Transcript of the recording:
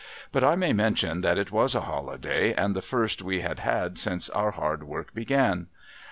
But I may mention that it was a holiday, and the first we had had since our hard work began.